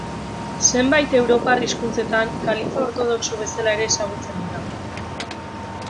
Zenbait europar hizkuntzetan, kalifa ortodoxo bezala ere ezagutzen dira.